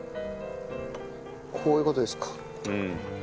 こういう事ですか。